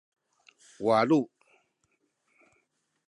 walu